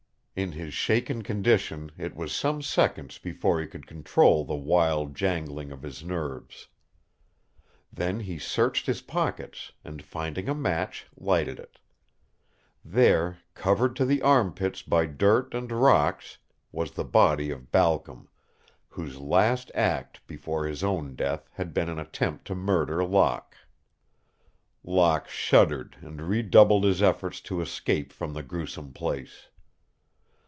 In his shaken condition it was some seconds before he could control the wild jangling of his nerves. Then he searched his pockets and, finding a match, lighted it. There, covered to the armpits by dirt and rocks, was the body of Balcom, whose last act before his own death had been an attempt to murder Locke. Locke shuddered and redoubled his efforts to escape from the gruesome place.